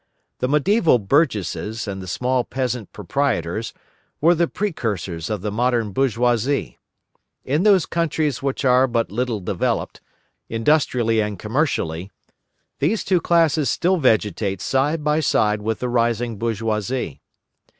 The mediaeval burgesses and the small peasant proprietors were the precursors of the modern bourgeoisie. In those countries which are but little developed, industrially and commercially, these two classes still vegetate side by side with the rising bourgeoisie.